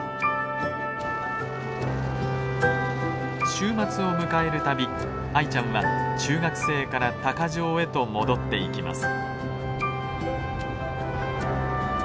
週末を迎える度アイちゃんは中学生から鷹匠へと戻っていきます。